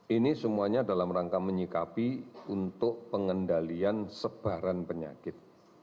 ini semuanya dalam rangka menyikapi untuk pengendalian sebaran penyakit